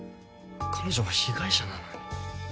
彼女は被害者なのに。